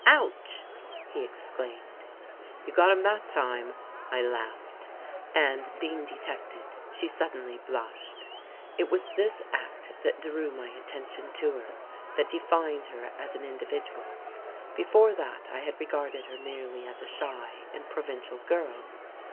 "Ouch!" he exclaimed. "You got him that time," I laughed, and, being detected, she suddenly blushed. It was this act that drew my attention to her, that defined her as an individual. Before that I had regarded her merely as a shy and provincial girl.